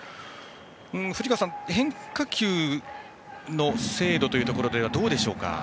藤川さん、変化球の精度というところではどうですか。